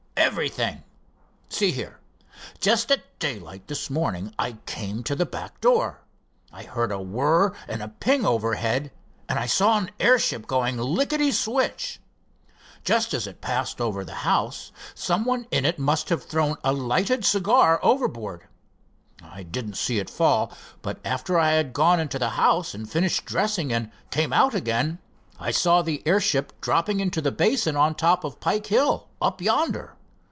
"Everything. See here, just at daylight this morning I came to the back door. I heard a whir and a ping overhead, and I saw an airship going licketty switch. Just as it passed over the house, some one in it must have thrown a lighted cigar overboard. I didn't see it fall, but after I had gone into the house and finished dressing and came out again, I saw the airship dropping into the basin on top of Pike Hill up yonder.